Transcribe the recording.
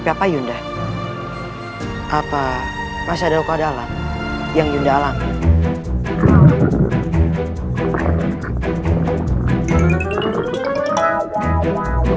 tapi rai tapi apa yunda apa masa dulu kau dalam yang juga alami